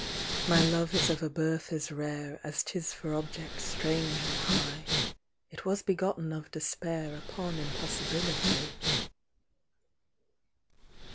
" My love is of a birth as rare As 'tis for object strange and high ; It was begotten of Despair Upon Impossibility."